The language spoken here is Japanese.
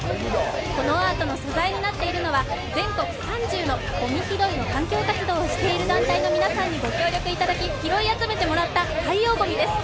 このアートの素材になっているのは、全国３０のごみ拾いの環境活動をしている団体の皆さんにご協力いただき拾い集めていただいた海洋ごみです。